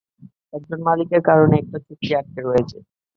একজন মালিকের কারণে একটা চুক্তি আটকে রয়েছে।